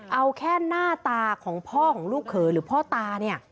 เอาแค่หน้าตาของพ่อของลูกเขยหรือพ่อตาเนี่ย